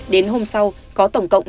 đến hôm sau có tổng cộng năm mươi một